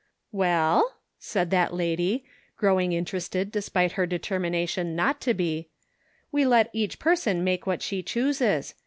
"Well," said that lady, growing interested despite her determination not to be, "we let each person make what she chooses.